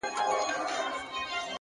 پوهه له پوښتنو پیل کېږي.